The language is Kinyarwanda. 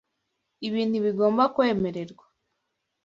Ibi ntibigomba kwemererwa.